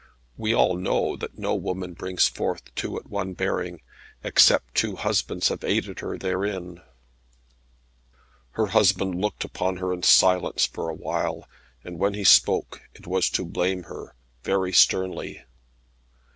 We all know that no woman brings forth two at one bearing, except two husbands have aided her therein." Her husband looked upon her in silence for awhile, and when he spoke it was to blame her very sternly.